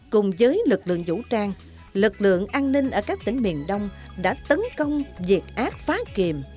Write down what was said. cùng với lực lượng vũ trang lực lượng an ninh ở các tỉnh miền đông đã tấn công diệt ác phá kiềm